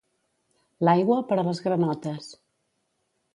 L'aigua, per a les granotes.